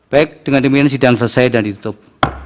baik dengan demikian sidang selesai dan ditutup